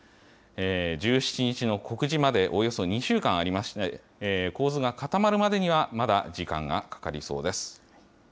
１７日の告示までおよそ２週間ありまして、構図が固まるまでにはまだ時間がかかりそうです。